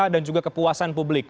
dan juga kepuasan publik